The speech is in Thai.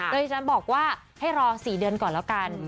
โดยที่ฉันบอกว่าให้รอ๔เดือนก่อนแล้วกัน